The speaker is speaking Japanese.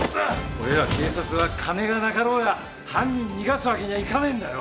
俺ら警察は金がなかろうが犯人逃がすわけにはいかねぇんだよ。